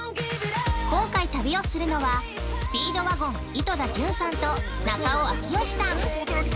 今回旅をするのはスピードワゴン・井戸田潤さんと中野明慶さん。